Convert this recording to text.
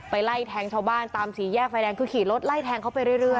ไล่แทงชาวบ้านตามสี่แยกไฟแดงคือขี่รถไล่แทงเขาไปเรื่อย